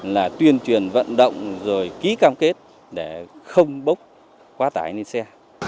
là tuyên truyền vận động rồi ký cam kết để không bốc quá tải lên xe